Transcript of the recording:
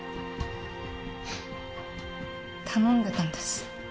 頼んでたんです。